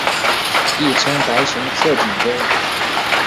亦称白胸侧颈龟。